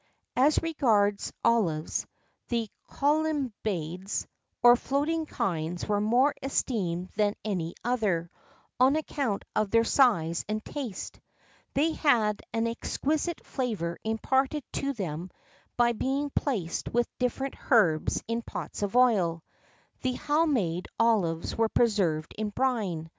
[XII 20] As regards olives, the Colymbades, or floating kinds were more esteemed than any other, on account of their size and taste;[XII 21] they had an exquisite flavour imparted to them by being placed with different herbs in pots of oil:[XII 22] the Halmade olives were preserved in brine.